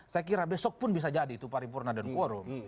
saya kira besok pun bisa jadi itu paripurna dan quorum